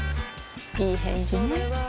いい返事ね